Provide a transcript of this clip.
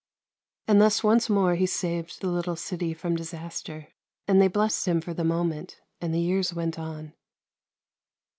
And thus once more he saved the little city from disaster, and they blessed him for the moment ; and the years went on.